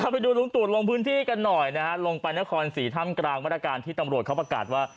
ไปดูลุงตูดลงพื้นที่กันหน่อยนะฮะลงไปนครศรีถ้ำกลางมาตรการที่ตำรวจเขาประกาศว่า